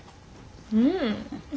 うん。